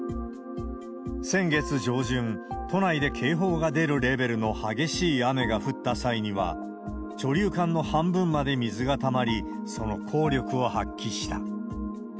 先月上旬、都内で警報が出るレベルの激しい雨が降った際には、貯留管の半分まで水がたまり、その効力を発揮した。